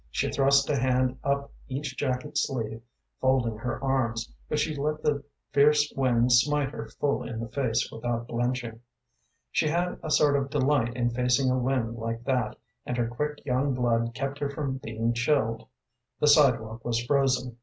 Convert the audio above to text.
She thrust a hand up each jacket sleeve, folding her arms, but she let the fierce wind smite her full in the face without blenching. She had a sort of delight in facing a wind like that, and her quick young blood kept her from being chilled. The sidewalk was frozen.